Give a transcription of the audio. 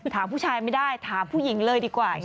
ถามผู้ชายไม่ได้ถามผู้หญิงเลยดีกว่า